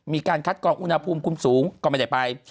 มีการคัดกรองอุณหภูมิคุมสูงก็ไม่ได้ไป